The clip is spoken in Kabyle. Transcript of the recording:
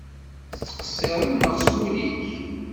Tettqeṣṣireḍ neɣ s wul-ik?